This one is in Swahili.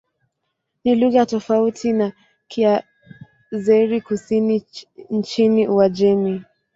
Ni lugha tofauti na Kiazeri-Kusini nchini Uajemi.